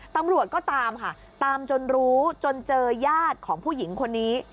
ตำรวจก็ตามค่ะตามจนรู้จนเจอญาติของผู้หญิงคนนี้